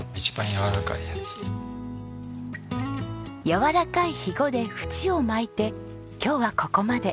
柔らかいヒゴで縁を巻いて今日はここまで。